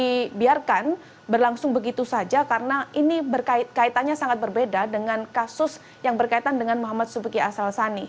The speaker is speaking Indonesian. jadi biarkan berlangsung begitu saja karena ini berkaitannya sangat berbeda dengan kasus yang berkaitan dengan muhammad subiki asal sani